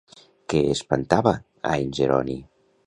Què espentava a en Jeroni?